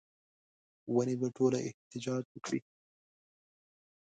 ونې به ټوله احتجاج وکړي